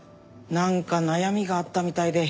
なんか悩みがあったみたいで。